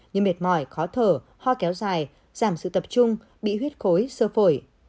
như mệt mỏi khó thở ho kéo dài giảm sự tập trung bị huyết khối sơ phổi